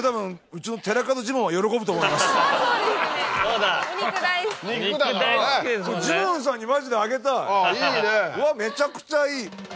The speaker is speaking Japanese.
うわめちゃくちゃいい！